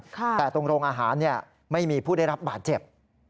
แต่ตรงโรงอาหารไม่มีผู้ได้รับบาดเจ็บ